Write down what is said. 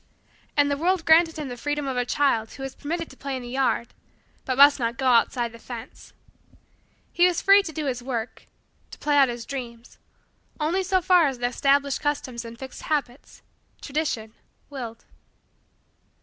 And the world granted him the freedom of the child who is permitted to play in the yard but must not go outside the fence. He was free to do his work to play out his dreams only so far as the established customs and fixed habits Tradition willed.